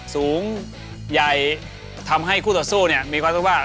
สูงใหญ่ทำให้คู่ต่อสู้เนี่ยมีความรู้สึกว่า